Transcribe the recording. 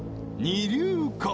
二流か？